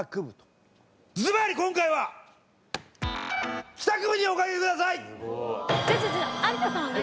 ずばり今回は帰宅部にお賭けください！